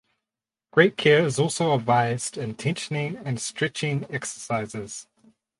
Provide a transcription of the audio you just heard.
Great care is also advised in tensioning and stretching exercises.